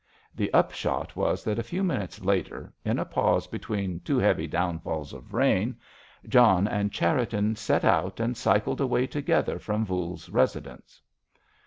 The upshot was that a few minutes later, in a pause between two heavy downfalls of rain, John and Cherriton set out and cycled away together from Voules's residence.